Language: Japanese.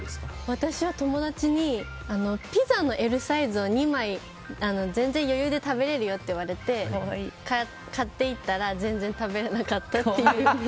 私は友達にピザのＬサイズを２枚余裕で食べれるよって言われて買って行ったら全然食べれなかったっていう。